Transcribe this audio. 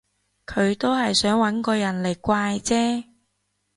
佢都係想搵個人嚟怪啫